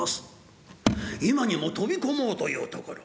今にも飛び込もうというところ。